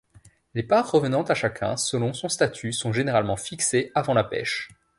Les parts revenant à chacun selon son statut sont généralement fixées avant la pêche.